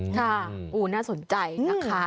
ค่ะอู๋น่าสนใจนะคะ